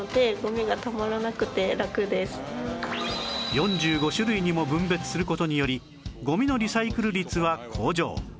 ４５種類にも分別する事によりゴミのリサイクル率は向上